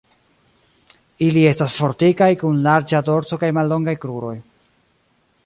Ili estas fortikaj, kun larĝa dorso kaj mallongaj kruroj.